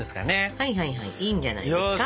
はいはいはいいいんじゃないですか。